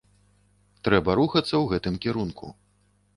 Трэба рухацца ў гэтым кірунку.